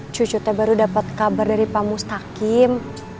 cucutnya baru dapet kabar dari pak mustakim